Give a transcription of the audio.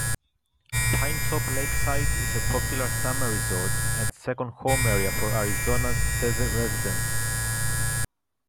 Pinetop-Lakeside is a popular summer resort and second-home area for Arizona desert residents.